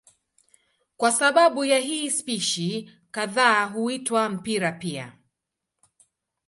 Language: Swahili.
Kwa sababu ya hii spishi kadhaa huitwa mpira pia.